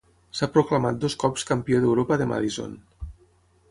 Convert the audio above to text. S'ha proclamat dos cops Campió d'Europa de Madison.